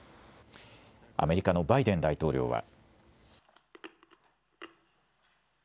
アメリカのバイデン大統領は。